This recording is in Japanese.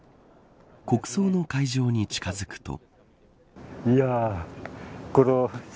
国葬の会場に近づくと。